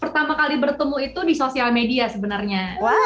pertama kali bertemu itu di sosial media sebenarnya